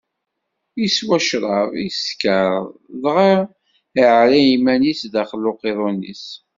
Iswa ccṛab, iskeṛ, dɣa iɛerra iman-is daxel n uqiḍun-is.